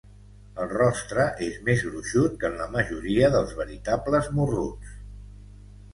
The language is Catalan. El rostre és més gruixut que en la majoria dels veritables morruts.